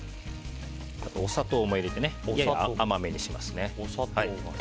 お砂糖も入れてやや甘めにします。